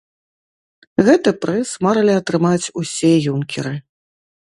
Гэты прыз марылі атрымаць усе юнкеры.